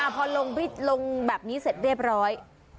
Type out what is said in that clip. พอลงแบบนี้เสร็จเรียบร้อย